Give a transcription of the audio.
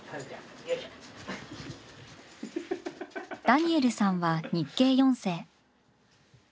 ダニエルさんは日系４世。